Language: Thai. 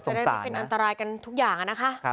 จะได้ไม่เป็นอันตรายกันทุกอย่างนะคะ